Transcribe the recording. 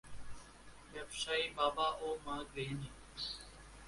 ব্যবসায়ী বাবা ও মা গৃহিণী।